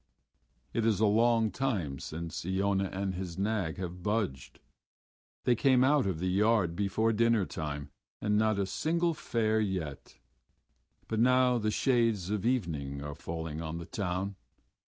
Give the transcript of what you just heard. It is a long time since Iona and his nag have budged. They came out of the yard before dinnertime and not a single fare yet. But now the shades of evening are falling on the town.